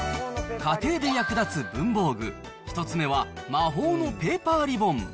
家庭で役立つ文房具、１つ目は、まほうのペーパーリボン。